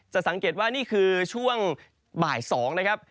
สังเกตว่านี่คือช่วงบ่าย๒นะครับ